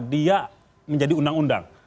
dia menjadi undang undang